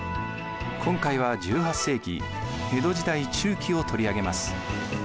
今回は１８世紀江戸時代中期を取り上げます。